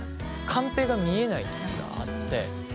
カンペが見えないときがあってたまに。